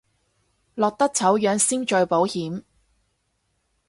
落得醜樣先最保險